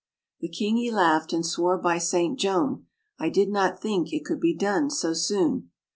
The king he laughed, and swore by St. Jone, "I did not think it could be done so soon!